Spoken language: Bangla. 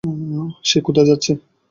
সে কোথায় যাচ্ছে?